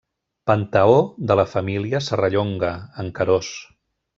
Panteó de la família Serrallonga, en Querós.